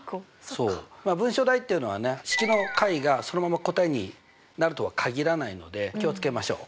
文章題っていうのはね式の解がそのまま答えになるとは限らないので気を付けましょう。